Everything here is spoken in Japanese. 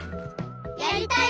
やりたい！